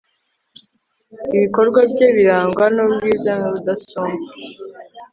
ibikorwa bye birangwa n'ubwiza n'ubudasumbwa